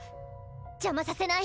邪魔させない！